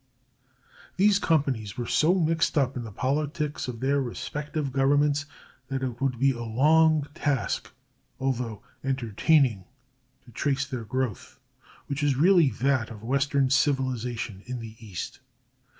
These companies were so mixed up in the politics of their respective governments that it would be a long task, although entertaining, to trace their growth, which is really that of western civilization in the East.